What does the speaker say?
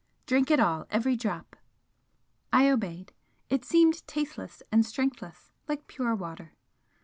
Drink it all every drop!" I obeyed it seemed tasteless and strengthless, like pure water.